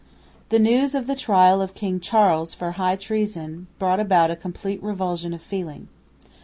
The news of the trial of King Charles for high treason brought about a complete revulsion of feeling.